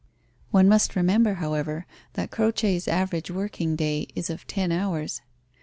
One must remember, however, that Croce's average working day is of ten hours.